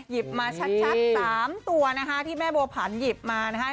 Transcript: หยิบมาชัด๓ตัวนะคะที่แม่บัวผันหยิบมานะคะ